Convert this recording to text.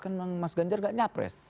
kan memang mas ganjar gak nyapres